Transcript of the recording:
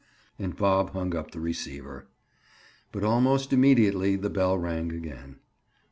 And Bob hung up the receiver. But almost immediately the bell rang again.